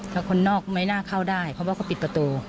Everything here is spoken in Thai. ถ้าคนนอกไม่น่าเข้าได้เพราะว่าเขาปิดประตู